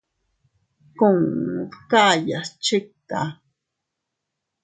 Kuu dkayas chikta.